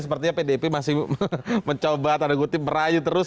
sepertinya pdip masih mencoba tanda kutip merayu terus